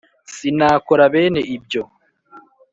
sinakora bene ibyo.